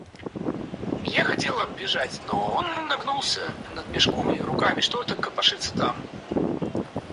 Я хотела бежать, но он нагнулся над мешком и руками что-то копошится там...